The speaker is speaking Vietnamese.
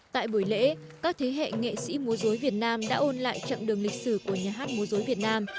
tại buổi lễ các thế hệ nghệ sĩ múa dối việt nam đã ôn lại chặng đường lịch sử của nhà hát múa dối việt nam